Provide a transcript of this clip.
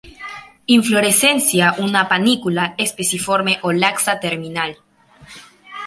Inflorescencia una panícula espiciforme o laxa, terminal.